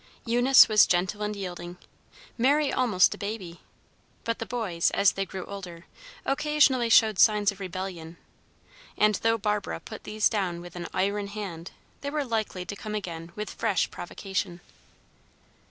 Eunice was gentle and yielding, Mary almost a baby; but the boys, as they grew older, occasionally showed signs of rebellion, and though Barbara put these down with an iron hand, they were likely to come again with fresh provocation.